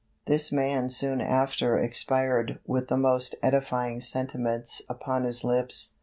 This man soon after expired with the most edifying sentiments upon his lips.